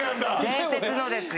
伝説のですよ